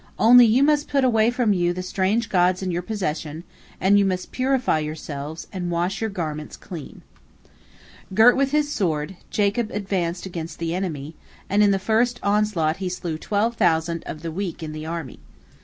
Only you must put away from you the strange gods in your possession, and you must purify yourselves, and wash your garments clean." Girt with his sword, Jacob advanced against the enemy, and in the first onslaught he slew twelve thousand of the weak in the army.